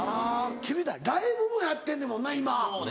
君らライブもやってんねんもんな今。